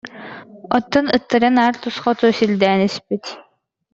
Оттон ыттара наар тус хоту сирдээн испит